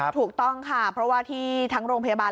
ถูกต้องค่ะเพราะว่าที่ทั้งโรงพยาบาล